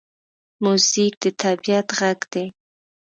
موزیک د طبعیت غږ دی.